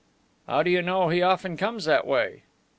"How do you know he often comes that way?"